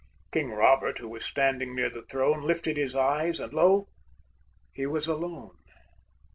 King Robert, who was standing near the throne, Lifted his eyes, and lo! he was alone!